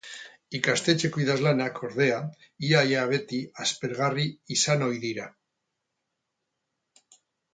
Ikastetxeko idazlanak, ordea, ia-ia beti aspergarri izan ohi dira.